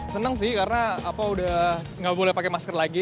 senang sih karena udah nggak boleh pakai masker lagi